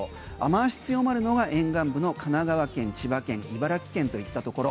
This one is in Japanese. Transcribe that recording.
雨が強まるのが神奈川県、千葉県、茨城県といったところ。